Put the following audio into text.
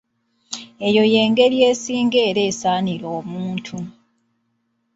Eyo y'engeri esinga era esaanira omuntu.